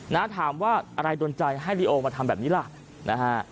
นะถามว่าอะไรโดนใจให้ลีโอมาทำแบบนี้ล่ะนะฮะ